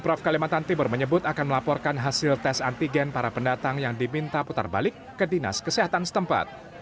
prof kalimantan timur menyebut akan melaporkan hasil tes antigen para pendatang yang diminta putar balik ke dinas kesehatan setempat